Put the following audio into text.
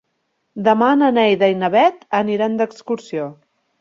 Demà na Neida i na Bet aniran d'excursió.